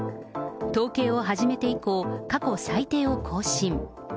統計を始めて以降、過去最低を更新。